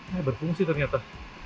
nah berfungsi ternyata